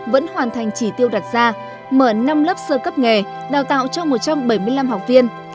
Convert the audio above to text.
vẫn hoàn thành chỉ tiêu đặt ra mở năm lớp sơ cấp nghề đào tạo cho một trăm bảy mươi năm học viên